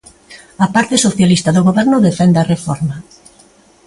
A parte socialista do Goberno defende a reforma.